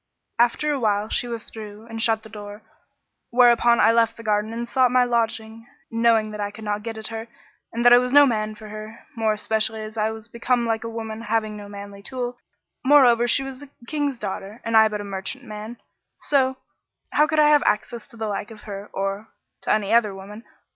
After a while she withdrew and shut the door; whereupon I left the garden and sought my lodging, knowing that I could not get at her and that I was no man for her, more especially as I was become like a woman, having no manly tool: moreover she was a King's daughter and I but a merchant man; so; how could I have access to the like of her or— to any other woman?